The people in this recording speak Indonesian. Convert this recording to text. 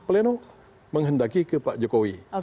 pleno menghendaki ke pak jokowi